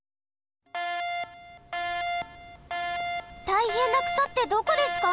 たいへんな草ってどこですか？